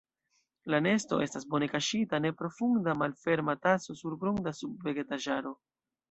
La nesto estas bone kaŝita neprofunda malferma taso surgrunda sub vegetaĵaro.